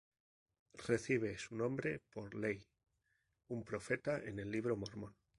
Recibe su nombre por Lehi, un profeta en el libro Mormón.